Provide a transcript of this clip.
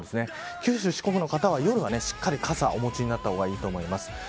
九州、四国の方は夜はしっかり傘をお持ちになった方がいいと思います。